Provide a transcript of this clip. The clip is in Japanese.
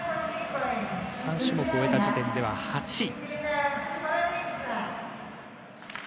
３種目を終えた時点で８位。